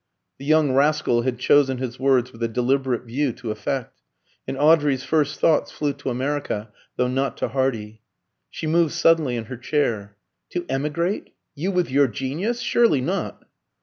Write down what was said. The young rascal had chosen his words with a deliberate view to effect, and Audrey's first thoughts flew to America, though not to Hardy. She moved suddenly in her chair. "To emigrate? You, with your genius? Surely not!"